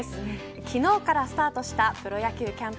昨日からスタートしたプロ野球キャンプ。